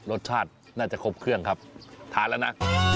รสชาติน่าจะครบเครื่องครับทานแล้วนะ